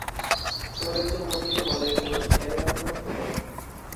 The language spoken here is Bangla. তড়িৎচুম্বকীয় বলের ফোর্স ক্যারিয়ার হল ফোটন।